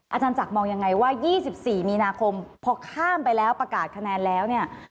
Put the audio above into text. อาจารย์จักรมองยังไงว่า๒๔มีนาคมพอข้ามไปแล้วประกาศคะแนนแล้วเนี่ย